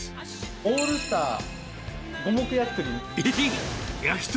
オールスター五目焼き鳥。